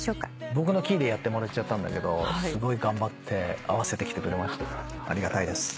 僕のキーでやってもらっちゃったんだけどすごい頑張って合わせてきてくれましてありがたいです。